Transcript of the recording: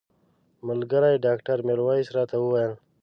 ملګري ډاکټر میرویس راته وویل.